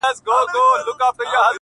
ته لېونۍ خو نه یې؟؛